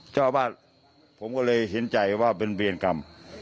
เจ้าอาวาสผมก็เลยเห็นใจว่าเป็นเวรกรรม